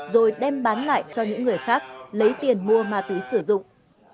rồi đem bán lại cho những người khác lấy tiền mua mà tủy sử dụng